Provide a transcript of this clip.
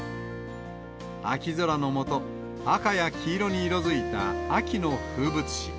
秋空の下、赤や黄色に色づいた秋の風物詩。